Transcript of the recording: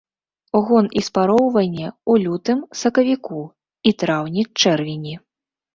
Гон і спароўванне ў лютым-сакавіку і траўні-чэрвені.